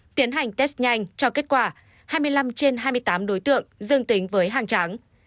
tiến hành test nhanh cho kết quả hai mươi năm trên hai mươi tám đối tượng dương tính với hàng tráng